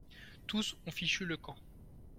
Tous ont fichu le camp.